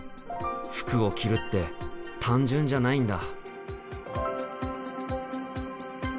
服を着るって単純じゃないんだ。